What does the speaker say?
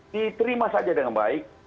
diterima saja dengan baik